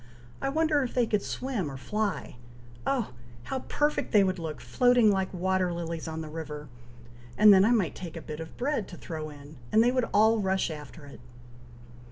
"I wonder if they could swim or fly! oh! how perfect they would look, floating like water lilies on the river, and then I might take a bit of bread to throw in, and they would all rush after it!"